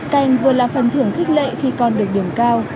kem vừa là phần thưởng khích lệ khi con được đường cao